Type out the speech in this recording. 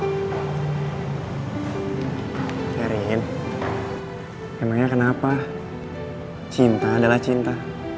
sayarin emangnya kenapa cinta adalah cinta